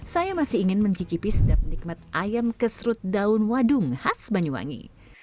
saya masih ingin mencicipi sedap nikmat ayam kesrut daun wadung khas banyuwangi